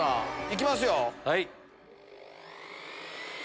行きますよ。